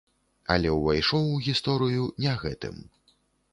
Але ўвайшоў у гісторыю не гэтым.